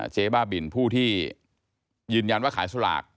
เจ๊บ้าบินผู้ที่ยืนยันว่าขายสลาก